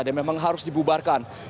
dan memang harus dibubarkan